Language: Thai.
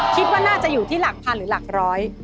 คิดว่าน่าจะอยู่ที่หลักพันหรือหลักร้อย